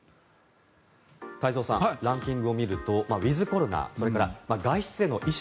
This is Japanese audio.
太蔵さん、ランキングを見るとウィズコロナそれから外出への意識